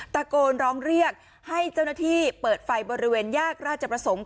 ตะโกนร้องเรียกให้เจ้าหน้าที่เปิดไฟบริเวณแยกราชประสงค์